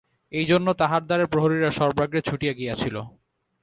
এই জন্য তাঁহার দ্বারে প্রহরীরা সর্বাগ্রে ছুটিয়া গিয়াছিল।